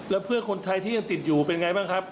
แล้วเพื่อนคนไทยที่ยังติดอยู่เป็นไงบ้างครับ